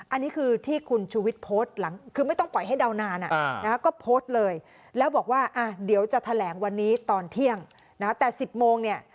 อันนี้คือที่คุณชูวิทย์โพสต์หลังคือไม่ต้องปล่อยให้เดานานก็โพสต์เลยแล้วบอกว่าเดี๋ยวจะแถลงวันนี้ตอนเที่ยงนะแต่๑๐โมงเนี่ย